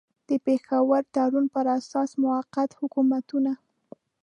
د پېښور تړون پر اساس موقت حکومتونه.